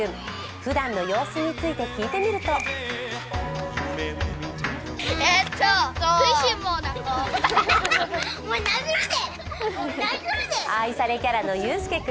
ふだんの様子について聞いてみると愛されキャラの佑輔君。